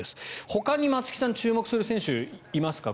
ほかに松木さん注目する選手はいますか？